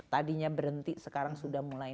tadinya berhenti sekarang sudah mulai